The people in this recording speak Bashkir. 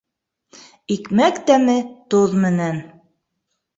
Икмәк тәме тоҙ менән